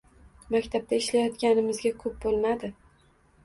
Maktabda ishlayotganimizga ko‘p bo‘lmadi.